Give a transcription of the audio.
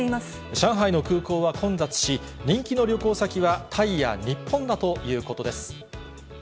上海の空港は混雑し、人気の旅行先はタイや日本だということです。